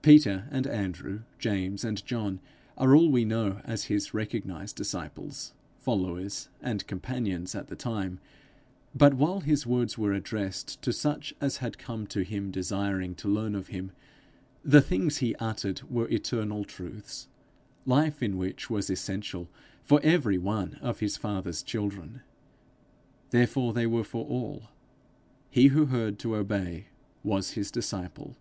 Peter and Andrew, James and John, are all we know as his recognized disciples, followers, and companions, at the time; but, while his words were addressed to such as had come to him desiring to learn of him, the things he uttered were eternal truths, life in which was essential for every one of his father's children, therefore they were for all: he who heard to obey, was his disciple.